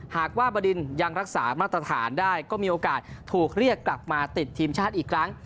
หากว่าบดินยังรักษามาตรฐานได้ก็มีโอกาสถูกเรียกกลับมาติดทีมชาติอีกครั้ง